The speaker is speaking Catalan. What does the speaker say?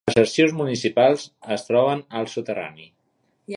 Els arxius municipals es troben al soterrani.